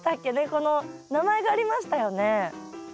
この名前がありましたよね。